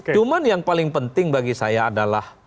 cuman yang paling penting bagi saya adalah